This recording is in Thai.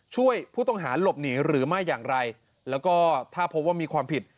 ช่วยผู้ต้องหาหลบหนีหรือไม่อย่างไรแล้วก็ถ้าพบว่ามีความผิด